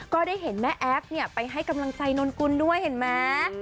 ก็ได้เห็นแม่แอฟไปให้กำลังใจนนกุลด้วยเห็นไหม